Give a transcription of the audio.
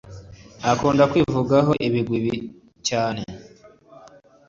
akunda kwivugaho ibigwi cyane